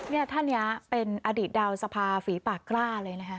เนี่ยท่านนี้เป็นอดีตดาวสภาฝีปากกล้าเลยนะคะ